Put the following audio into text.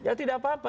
ya tidak apa apa